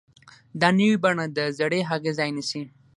دا نوې بڼه د زړې هغې ځای نیسي.